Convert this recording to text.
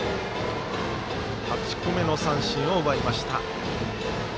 ８個目の三振を奪いました。